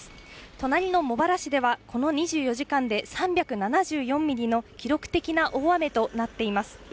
隣の茂原市ではこの２４時間で３７４ミリの記録的な大雨となっています。